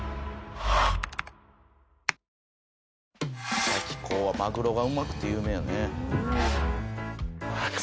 三崎港はマグロがうまくて有名やね。